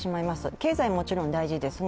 経済はもちろん大事ですね。